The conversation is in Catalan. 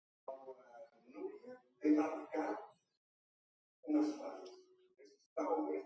El fiscal qüestiona la pericial.